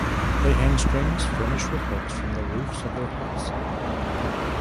They hang strings furnished with hooks from the roofs of their huts.